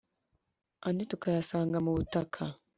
andi tukayasanga mu butaka